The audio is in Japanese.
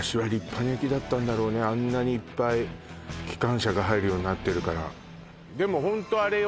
あんなにいっぱい機関車が入るようになってるからでもホントあれよ